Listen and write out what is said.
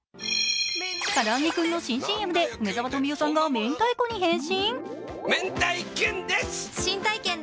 からあげクンの新ＣＭで梅沢富美男さんが明太子に変身？